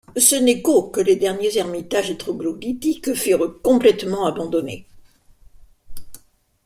Ce n'est qu'au que les derniers ermitages troglodytiques furent complètement abandonnés.